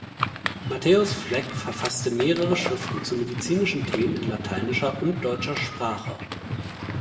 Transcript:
Matthaeus Fleck verfasste mehrere Schriften zu medizinischen Themen in lateinischer und deutscher Sprache.